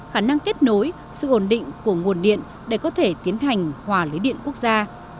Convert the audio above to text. khả năng kết nối sự ổn định của nguồn điện để có thể tiến hành hòa lưới điện quốc gia